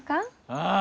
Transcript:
ああ。